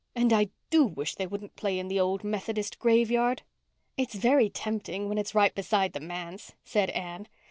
And I do wish they wouldn't play in the old Methodist graveyard." "It's very tempting, when it's right beside the manse," said Anne.